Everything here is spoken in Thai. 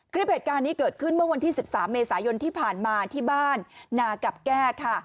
คลิปเหตุการณ์นี้เกิดขึ้นเมื่อวันที่๑๓เมษายนที่ผ่านมาที่บ้านนากับแก้ค่ะ